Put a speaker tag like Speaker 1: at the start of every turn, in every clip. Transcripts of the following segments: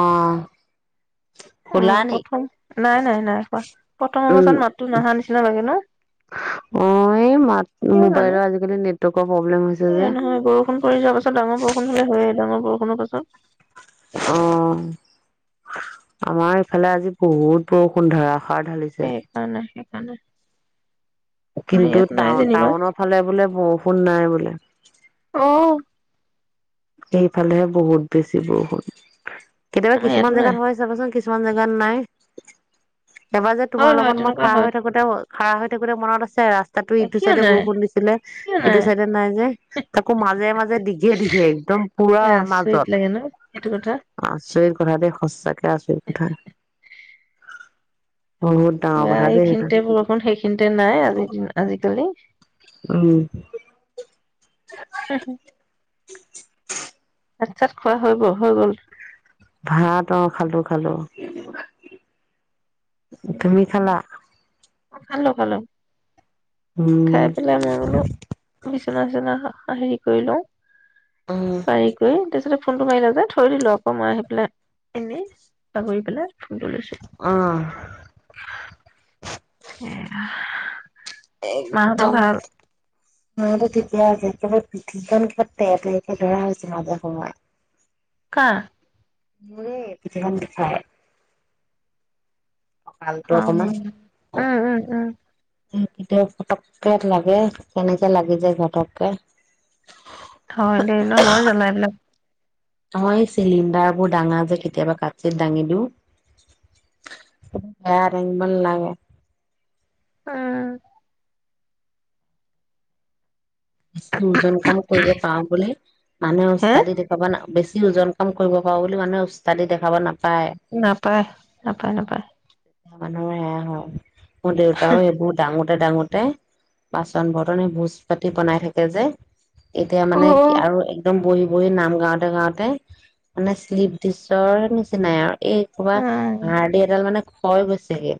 Speaker 1: অ',
Speaker 2: উম।
Speaker 1: শুলা নি?
Speaker 2: প্ৰথম, নাই নাই নাই, কোৱা। ‌ প্ৰথম অৱস্থাত
Speaker 1: উম,
Speaker 2: মাতটো নাহা নিচিনা লাগে ন?
Speaker 1: অ', এই মাত
Speaker 2: কিয় জানো!
Speaker 1: মোবাইলৰ আজিকালি নেটৱৰ্কৰ প্ৰব্লেম হৈছে যে।
Speaker 2: এ নহয় বৰষুণ পৰি যোৱাৰ পাছত ডাঙৰ বৰষুণ হ'লে হয়েই ডাঙৰ বৰষুণ [unintelligible]
Speaker 1: অ', আমাৰ এইফালে আজি বহুত বৰষুণ ধৰা
Speaker 2: [unintelligible] নাহে। জানে।
Speaker 1: কিন্তু, টাউ-টাউনৰ ফালে বোলে বৰষুণ নাই বোলে।
Speaker 2: অ
Speaker 1: এইফালেহে বহুত বেছি বৰষুণ। কেতিয়াবা
Speaker 2: আমাৰ ইয়াতো
Speaker 1: কিছুমান
Speaker 2: নাই
Speaker 1: জেগাত হয় চাবচোন, কিছ [unintelligible] জেগাত নাই এবাৰ যে
Speaker 2: হয়
Speaker 1: তোমাৰ
Speaker 2: হয়
Speaker 1: লগত মই
Speaker 2: তেনেকুৱা
Speaker 1: খাৰ
Speaker 2: হয়
Speaker 1: হৈ থাকোতে খাৰা হৈ থাকোতে মনত আছে ৰাস। তাতো ইটো
Speaker 2: কিয়
Speaker 1: চাইডে
Speaker 2: নাই
Speaker 1: বৰষুণ দিছিলে
Speaker 2: কিয় নাই
Speaker 1: এইটো চাইডে নাই যে তাকো মাজে মাজে দীঘে দীঘে পুৰা মাজত।
Speaker 2: আচৰিত লাগে ন, সেইটো কথা।
Speaker 1: আচৰিত কথা দেই। সঁচাকে আচৰিত কথা। বহুত ডাঙৰ কথা দেই সেইটো
Speaker 2: এইখিনিতে বৰষুণ সেইখিনিতে নাই আজি আজিকালি
Speaker 1: উম হয়
Speaker 2: ভাত-চাত খোৱা হৈ গ'ল, হৈ গ'ল?
Speaker 1: ভাতা অ খালো খালো তুমি খালা?
Speaker 2: অ', খালো-খালো।
Speaker 1: উম।
Speaker 2: তোমাৰ নিচিনা হা-হেৰি কৰি লওঁ।
Speaker 1: উম
Speaker 2: তাই গৈ তাৰপিছতে ফোনটো মাৰিলে যে, থৈ দিলো আকৌ মই আহি পেলাই, এনেই। পাহৰি পেলাই ফোনটো লৈছো।
Speaker 1: অ
Speaker 2: এ, আহ।
Speaker 1: একদম মূৰতে [unintelligible] পিঠিখন কিবা তেৰা তেৰিকে ধৰা হৈছে, মাজে সময়ে।
Speaker 2: কাৰ?
Speaker 1: ম কি দেখাই
Speaker 2: অ উম উম উম
Speaker 1: কেতিয়া পটক্কে লাগে কেনেকে লাগি যে ঘটককে
Speaker 2: হয় দে ন বই জ্বলাইিলাক
Speaker 1: নহয় এই চিলিণ্ডাৰ বোৰ দাঙা যে কেতিয়াবা কাচিত দাঙি দিওঁ বেয়া দাঙিব নালাগে
Speaker 2: উম।
Speaker 1: ওজন কাম কৰিব পাৰো বুলি, মানুহে
Speaker 2: হে
Speaker 1: উস্তাদি দেখুৱাব নাপ বেছি ওজন কাম কৰিব পাৰো বুলি মানুহে ওস্তাদি দেখাব নাপ
Speaker 2: নাপায়। নাপায়, নাপায়।
Speaker 1: মানুহৰ সেয়া হয়। মোৰ দেউতাও এইবোৰত ডাঙৰ তে ডাঙোতে বাচন বৰ্তনে এই ভোজ পাত ই বনাই থাকে যে এতিয়া
Speaker 2: অ
Speaker 1: মানে কি আৰু একদম বহি বৌৱে নাম গাওতে গাওতে মানে শ্লিপ ডিচৰ নিচিনাই আৰু এই ক'বা
Speaker 2: উম
Speaker 1: হাৰডি এডাল মানে হৈ গৈছেগে।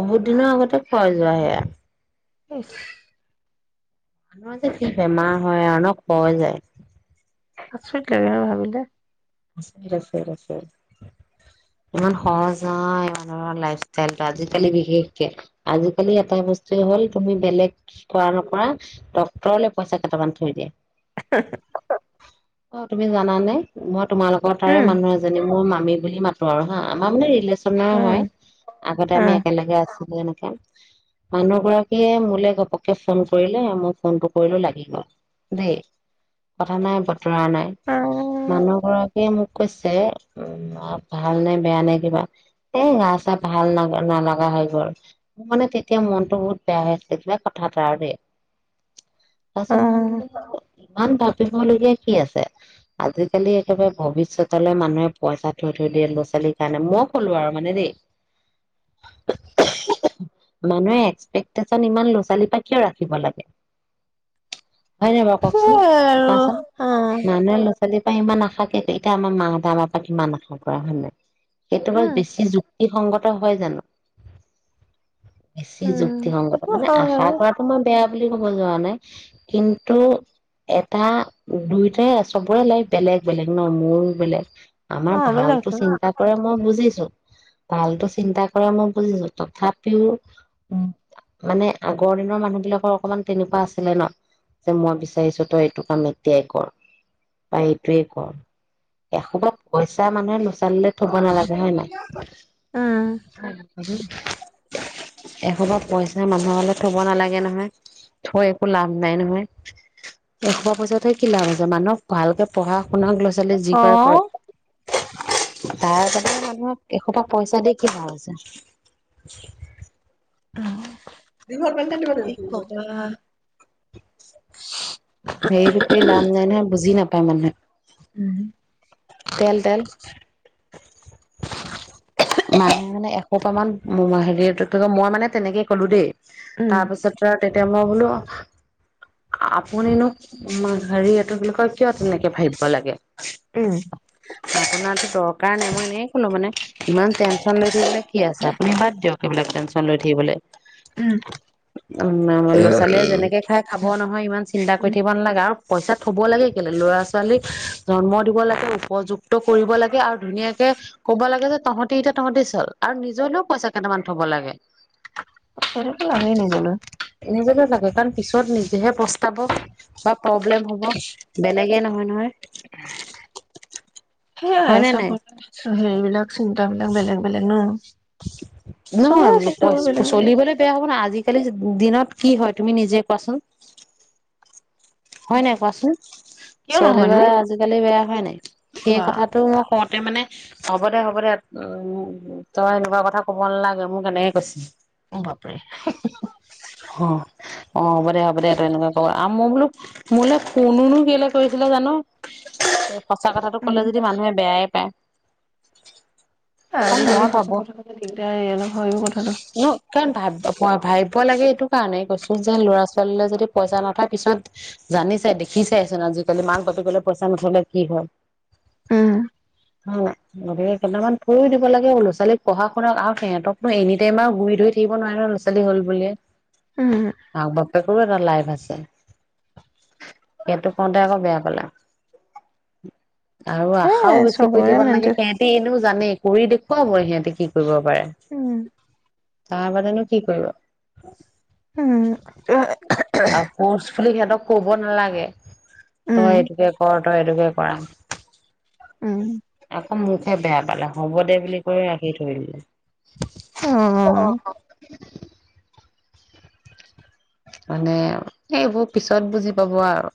Speaker 1: বহুত দিনৰ আগতে ক্ষয় যোৱা সেয়া।
Speaker 2: ইছ
Speaker 1: মানুহৰ যে কি বেমাৰ হয় আৰু ন, কয় যে
Speaker 2: আচৰিত লাগে ন ভাবিলে?
Speaker 1: [unintelligible] ইমান সহজ নহয় মানুহৰ লাইফষ্টাইলটো আজিকালি বিশেষকে। আজিকালি এটাই বস্তুৱে হ'ল তুমি বেলেগ কৰা নকৰা ডক্তৰলে পইচা কেইটামান থৈ দিয়া।
Speaker 2: [unintelligible]
Speaker 1: অ' তুমি জানানে মই তোমালোকৰ তাৰে
Speaker 2: উম
Speaker 1: মানুহ এজনী মোৰ মামী। বুলি মাতো আৰু হা আমাৰ মানে ৰিলেচন চনৰে হয়।
Speaker 2: উম
Speaker 1: আগতে আমি
Speaker 2: উম
Speaker 1: একেলগে আছো যেনেকে মানুহগৰাকীয়ে মোলৈ ঘপককে ফোন কৰিলে, মই ফোনটো কৰিলো লাগি গ'ল দেই। কথা নাই বতৰা নাই।
Speaker 2: অ
Speaker 1: মানুহ সিয়ে মোক কৈছে উম ভাল নে বেয়া নে কিবা। এ গা চা ভাল নালা নালাগা হৈ গ'ল। মোৰ মানে তেতিয়া মনটো বহুত বেয়া হৈ আছিল কিবা কথা এটা আৰু দেই। তাৰছত
Speaker 2: অ
Speaker 1: ম ইমান ভ সুধিবলগীয়া কি আছে, আজিকালি সেইবাবে ভৱিষ্যতলৈ মানুহে পইচা থৈ থৈ দিয়ে ল'ৰা ছোৱালীৰ কাৰণে মই কলো আৰু মানে দেই মানুহে এক্সপেকটেশচন ইমান ল'ৰা ছোৱালীৰ পৰা কিয় ৰাখিব লাগে হয়নে নহয় বাৰু কওকচোন
Speaker 2: সেইয়াই আৰু
Speaker 1: কোৱাচোন
Speaker 2: অ
Speaker 1: মানুহে ল'ৰা ছোৱালীৰ পৰা ইমান আশা তাকে টো এতিয়া আমাৰ মা হতে আমাৰ পৰা কিমান আশা কৰে হয় নাই। সেইটো বাৰু
Speaker 2: উম
Speaker 1: বেছি যুক ই সংগত হয় জানো? বেছি
Speaker 2: উম
Speaker 1: যুক্তিসংগত
Speaker 2: সেইটো
Speaker 1: মানে আশা
Speaker 2: হয়
Speaker 1: কৰাটো মই বেয়া বুলি ক'ব যোৱা নাই কিন্তু এটা দুইটাই চবোৰে লাইভ বেলেগ বেলেগ ন মোৰো বেলেগ। আমাৰ
Speaker 2: অ
Speaker 1: ভালতো
Speaker 2: বেলেগ
Speaker 1: চিন্তা কৰে মই বুজি বুজছো ভালতটো চিন্তা কৰে মই বুজিছো তথাপিও মানে আগৰ দিনৰ মানুহ বিলাকৰ অকমান তেনেকুৱা আছিলে ন যে মই বিচাৰিছো তই এইটো কাম এতিয়াই কৰ বা সেইটোৱে কৰ এসোপা পইচা মানুহে ল'ৰা - ছোৱালী লৈ থব নালাগে হয় নাই।
Speaker 2: উম
Speaker 1: এসোপা পইচা মানুহলে থব নালাগে নহয়। থৈ একো লাভ নাই নহয়। এসোপা পইচা থৈ কি লাভ আছে? মানুহক ভালকে পঢ়া আপোনাক ল'-ছালী যি কৰে কৰক। তাৰ বাদে মানুহক এসোপা পইচা দি কি লাভ আছে? [unintelligible]
Speaker 2: উম।
Speaker 1: দীঘল পেণ্টটা [inaudible] [unintelligible] তাই মানে
Speaker 2: উম।
Speaker 1: তেল? তেল? মানে, মানে এসোপামান মো, মা, হেৰি, [unintelligible] মই মানে তেনেকে ক'লো দেই।
Speaker 2: উম
Speaker 1: তাৰ পিছত [unintelligible] তেতিয়া মই বোলো, আপুনিনো হেৰি এটো বলাক [inaudible] তই কিয় তেনেকে ভাৱিব লাগে?
Speaker 2: উম
Speaker 1: আপোনাৰটো দৰকাৰ নাই, মই এনেকে কলোঁ মানে, ইমান টেনশ্যন লৈ থাকিবলৈ কি আছে? আপুনি বাদ দিয়ক সেইবিলাক টেনশ্যন লৈ থাকিবলৈ।
Speaker 2: উম
Speaker 1: উম, ম, ল'-ছালীয়ে যেনেকে খাই, খাব
Speaker 2: উম
Speaker 1: নহয়। ইমান চিন্তা কৰি
Speaker 2: উম
Speaker 1: থাকিব নালাগে। আৰু পইচা থব লাগে কেলেই? ল'ৰা-ছোৱালীক জন্ম দিব লাগে উপযুক্ত কৰিব লাগে আৰু ধুনীয়াকে ক'ব লাগে যে, তহঁতি এতিয়া তহঁতি চল আৰু নিজলৈও পইচা কেইটামান থব লাগে।
Speaker 2: সেইটোতো লাগেই নিজলৈ।
Speaker 1: নিজকে চাগৈ। কাৰণ, পিছত নিজেহে পস্তাব বা প্ৰব্লেম হ'ব। বেলেগে নহয় নহয়।
Speaker 2: সেইয়াই
Speaker 1: হয়নে
Speaker 2: চব,
Speaker 1: নাই
Speaker 2: [unintelligible] হেৰিবলাক চিন্তাবিলাক বেলেগ বেলেগ ন?
Speaker 1: নহয়।
Speaker 2: চবৰে
Speaker 1: [unintelligible]
Speaker 2: চিন্তাবোৰ
Speaker 1: পইছ,
Speaker 2: বেলেগ বেলেগ
Speaker 1: চলিবলৈ বেয়া হ'ব ন। আজি খালি, দিনত কি হয় তুমি নিজেই কোৱাচোন? হয় নাই কোৱাচোন?
Speaker 2: কিয় নহয়নো
Speaker 1: চলিবলৈ আজিকালি বেয়া। হয় নাই? সেই
Speaker 2: বা
Speaker 1: কথাটো মই কওঁত [unintelligible] মানে হ'ব দে, হ'ব দে, তই এনেকুৱা কথা ক'ব নালাগে, মোক এনেকে কৈছে।
Speaker 2: বাপৰে।
Speaker 1: অ অ', হ'ব দে। হ'ব দে। তই এনেকোৱা কোৱা আ, ম বোলো মোলে ফোনুনো কেলৈ কৰিছিলে জানো [unintelligible] সঁচা কথাটো
Speaker 2: উম
Speaker 1: ক'লে যদি মানুহে বেয়ায়ে [unintelligible]
Speaker 2: আজিকালি সচা কথা ক'ব দিগদাৰে অলপ, হয়ও কথাটো।
Speaker 1: পই লাগে এইটো কাৰণেই কৈছো যে, ল'ৰা ছোৱালীলৈ যদি পইচা নথয় পিছত জানিছাই দেখিছাইচোন আজিকালি মাক বাপেকলৈ পইচা নথলে কি হয়।
Speaker 2: উম
Speaker 1: মই নৰে কেইটামান থৈ দিব লাগে ল'ৰা ছোৱালীক পঢ়া শুনা আৰু সিহঁ‌তকনো এনি টাইম আৰু গুৰি ধৰি থাকিব নোৱাৰে ন ল'ৰা ছোৱালী হল বুলিয়ে
Speaker 2: উম
Speaker 1: মাক বাপেকৰো এটা লাইফ আছ আছে। সেইটো কওঁতে আকৌ বেয়া পালে। আৰু
Speaker 2: সেয়াই
Speaker 1: আশাও বেছি কৰি
Speaker 2: চবৰে
Speaker 1: থাকিব নালাগে,
Speaker 2: মেণ্টেল
Speaker 1: সিহঁতি এনেও জানে কৰি দেখুৱাব সিহঁতে কি কৰিব পাৰে।
Speaker 2: উম
Speaker 1: তাৰ আগতে নু কি কৰিব।
Speaker 2: উম [inaudible]
Speaker 1: [unintelligible] [unintelligible] সিহতক ক'ব নালাগে। তই
Speaker 2: উম
Speaker 1: এইটোকে কৰ তই এইটোকে কৰা।
Speaker 2: উম
Speaker 1: আকৌ মুকহে বেয়া পালে, হ'ব দে বুলি কৈ ৰাখি থৈ দিলে।
Speaker 2: অ
Speaker 1: [unintelligible] মানে এইবোৰ পিছত বুজি পাব আৰু।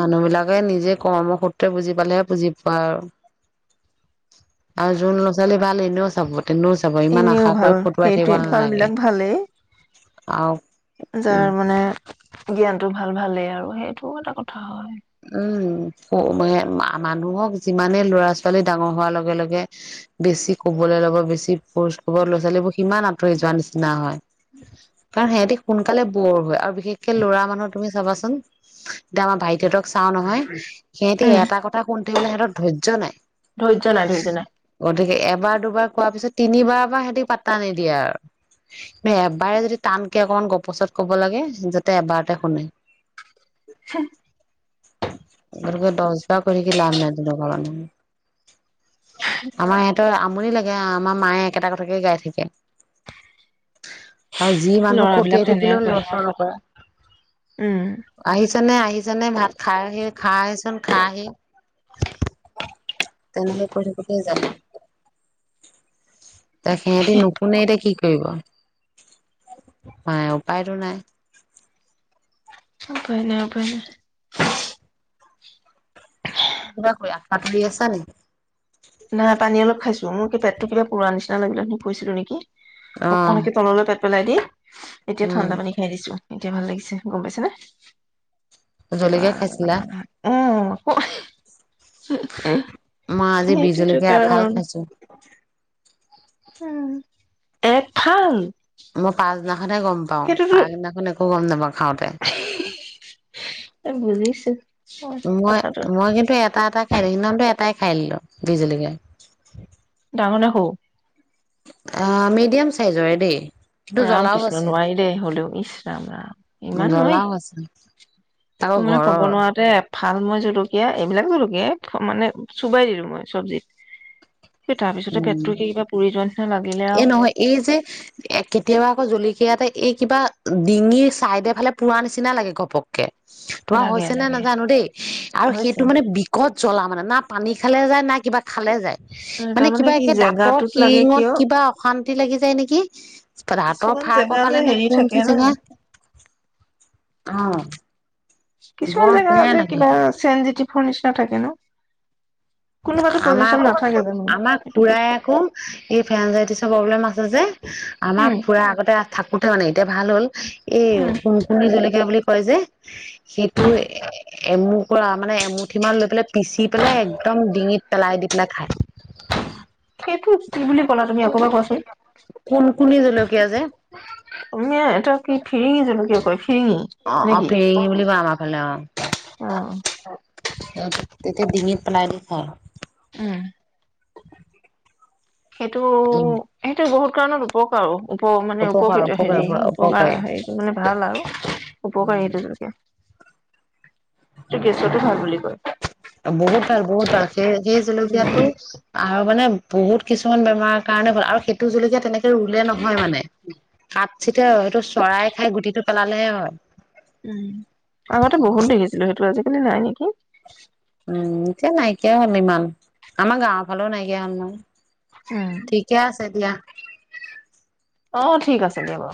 Speaker 1: মানুহবিলাকে নিজে কৰ্ম সূত্ৰে বুজি পালেহে বুজি পাই আৰু। আৰু যোন ল'ৰা ছোৱালী ভাল এনেও চাব। তেনেও চাব ইমান
Speaker 2: এনেও
Speaker 1: আশা কৰি
Speaker 2: ভাল
Speaker 1: খটুৱাই থাকিব
Speaker 2: সেইটোৱে ভাল
Speaker 1: নালাগে
Speaker 2: বিলাক ভালেই।
Speaker 1: আৰু
Speaker 2: যাৰ মানে জ্ঞানটো ভাল ভালেই আৰু সেইটোও এটা কথা হয়।
Speaker 1: উম ক-মে-মা-মানুহক যিমানে ল'ৰা ছোৱালী ডাঙৰ হোৱাৰ লগে লগে বেছি ক'বলৈ ল'ব বেছি ফৰ্চ ক'ব ল'ৰা ছোৱালীবোৰ সিমান আতৰি যোৱা নিচিনা হয়। কাৰণ সিহতি সোনকালে ব'ৰ হয় আৰু বিশেষকে ল'ৰা মানুহ তুমি চাবাচোন ডাঙৰ ভাইটীহতক চাওঁ নহয় সিহঁতি
Speaker 2: উম।
Speaker 1: এটা কথা শুনি থাকিবলৈ সিহঁতৰ ধৈৰ্য্য নাই।
Speaker 2: ধৈৰ্য্য নাই ধৈৰ্য্য নাই।
Speaker 1: দুবাৰ দুবাৰ কোৱাৰ পিছত তিনিবাৰ পৰা সিহঁতে পাতা নিদিয়ে আৰু। নে এবাৰ যদি টানকে কম গপচত ক'ব লাগে যাতে এবাৰতে শুনে।
Speaker 2: সহ
Speaker 1: একেলগে দহ বাৰ কৰি লাভ নাই [unintelligible] আমাৰ ইয়াত তই আমনি লাগে আমাৰ মায়ে একেটা কথাকে গাই থাকে। আৰু যি মানুহ
Speaker 2: ল'ৰাবিলাক
Speaker 1: খতিয়াই
Speaker 2: তেনেকে
Speaker 1: থাকিলেও
Speaker 2: কয়।
Speaker 1: লৰ চৰ নকৰে।
Speaker 2: উম।
Speaker 1: আহিছানে আহিছানে ভাত খাই হে খাইহে চোন খাহি, তেনেকে কৈ থাকোতেই যাব। ত সেহেতে নুশুনে এতিয়া কি কৰিব, নাই উপায়টো নাই।
Speaker 2: উপায় নাই উপায় নাই
Speaker 1: [unintelligible] আশা কৰি আছা নে
Speaker 2: নাই পানী অলপ খাইছো। পেটটো কিবা পোৰা নিচিনা লাগিলে মই কৈছিলো নেকি?
Speaker 1: অ',
Speaker 2: [unintelligible] পেলাই দি এতিয়া
Speaker 1: উম,
Speaker 2: ঠাণ্ডা পানী খাই দিছো। এতিয়া ভাল লাগিছে গম পাইছে নে!
Speaker 1: জলকীয়া খাইছিলা? মই
Speaker 2: [unintelligible] [inaudible]
Speaker 1: আজি বিহ জলকীয়া এফাল
Speaker 2: কাৰণ
Speaker 1: খাইছো।
Speaker 2: [unintelligible]
Speaker 1: [unintelligible] আধা গম পাওঁ,
Speaker 2: সেইটোতো
Speaker 1: তাৰ আগদিনাখন [inaudible] খাওঁতে,
Speaker 2: বুজিছো কথাটো
Speaker 1: মই-মই কিন্তু এটা-এটা [unintelligible] [inaudible]
Speaker 2: ডাঙৰ নে সৰু?
Speaker 1: আ মিডিয়াম চাইজৰে দেই কিন্তু
Speaker 2: ৰাম
Speaker 1: জ্বলাও
Speaker 2: কৃষ্ণ
Speaker 1: আছে,
Speaker 2: নোৱাৰি দেই হলেও ইছ ৰাম ৰাম ইমান নোৱাৰি,
Speaker 1: জ্বলাও আছে, আকৌ
Speaker 2: তোৰ মানে কব
Speaker 1: ঘৰৰ,
Speaker 2: নোৱাৰাতে ভাল মই জলকীয়া এইবিলাক জলকীয়াই মানে চোবাই দিলো মই, চব্জিত। এ তাৰ পিছতে পেটটো কিবা পুৰি যোৱা নিচিনা লাগিলে
Speaker 1: এ
Speaker 2: আৰু
Speaker 1: নহয় এই যে এ কেতিয়াবা আকৌ [unintelligible] সেইয়াতে এই কিবা ডিঙিৰ চাইডৰ ফালে পোৰা নিচিনা লাগে ঘপককে। তোমাৰ
Speaker 2: লাগে
Speaker 1: হৈছে নে
Speaker 2: লাগে
Speaker 1: নাজানো দেই, আৰু সেইটো
Speaker 2: হৈছে।
Speaker 1: মানে বিকট জলা মানে পানী খালে যায় না কিবা যায়? মানে
Speaker 2: তাৰমানে
Speaker 1: কিবা
Speaker 2: কি
Speaker 1: একে দাঁতৰ
Speaker 2: জেগাটোত লাগে
Speaker 1: শিৰিঙত
Speaker 2: কিয়
Speaker 1: কিবা অশান্তি লাগি যায় নেকি! হাতৰ
Speaker 2: কিছুমান জেগা
Speaker 1: ফাকৰ
Speaker 2: যে
Speaker 1: ফালে নে
Speaker 2: হেৰি থাকে ন
Speaker 1: [unintelligible]
Speaker 2: কিছুমান
Speaker 1: বৰ
Speaker 2: জেগা
Speaker 1: বেয়া
Speaker 2: আছে
Speaker 1: লাগে
Speaker 2: কিবা চেনজিটিব ফুল নিচিনা থাকে ন? কোনোবাতো
Speaker 1: আমাৰ
Speaker 2: পজিচন নাথাকে
Speaker 1: আকৌ
Speaker 2: জানো
Speaker 1: আমাক
Speaker 2: সেইটো
Speaker 1: খুৰাই
Speaker 2: কৈছো
Speaker 1: আকৌ এই ফেৰেনজাইটিছ [inaudible] [unintelligible] আমাৰ
Speaker 2: উম
Speaker 1: খুৰা আগতে থা উঠা নাই এতিয়া ভাল হল এ
Speaker 2: উম
Speaker 1: কুণকুণী জলকীয়া বুলি হয় যে, সেইটোৰ এ এমু কৰা মানে এমুঠি মান লৈ পেলাই পিচি পেলাই একদম ডিঙিত পেলাই দি পেলাই খায়।
Speaker 2: সেইটো কি বুলি কলা? তুমি আকৌ এবা কোৱাচোন।
Speaker 1: কুনকুনি জলকীয়া যে
Speaker 2: তুমি এটা কি ফিৰিঙি জলকিয়া কয় ফিৰিঙি
Speaker 1: অ
Speaker 2: নে
Speaker 1: অ
Speaker 2: কি?
Speaker 1: ফেৰেঙি বুলি কয় আমাৰ
Speaker 2: উম
Speaker 1: তেওঁক, তেতিয়া ডিঙিত পেলাই দি [inaudible]
Speaker 2: উম সেইটো
Speaker 1: উম
Speaker 2: সেইটো বহুত [unintelligible] উপ মানে
Speaker 1: উপকাৰ
Speaker 2: উপকৃত
Speaker 1: উপকাৰ
Speaker 2: হেৰি উপকাৰ
Speaker 1: উপকাৰী
Speaker 2: হেটো মানে ভাল আৰু উপকাৰী [unintelligible] এটো গেছতো ভাল বুলি কয়।
Speaker 1: অ বহুত ভাল-বহুত ভাল সেই
Speaker 2: উম।
Speaker 1: জী-জলকীয়াটো আহৰ কাৰণে বহুত কিছুমান বেমাৰৰ কাৰণে ভাল আৰু সেইটো জলকীয়া তেনেকে ৰুলে নহয় মানে
Speaker 2: উহ
Speaker 1: [unintelligible] এইটো চৰাই খাই গুটিটো পেলালেহে হয়।
Speaker 2: উম, আগতে বহুত দেখিছিলো সেইটো আজি আপুনি নাই নেকি?
Speaker 1: উম, এতিয়া নাইকিয়া হ'ল ইমান। আমাৰ গাঁৱৰ ফালেও নাইকিয়া হ'ল
Speaker 2: উম,
Speaker 1: নহয়। ঠিকে আছে দিয়া।
Speaker 2: অ ঠিক আছে দিয়া বাও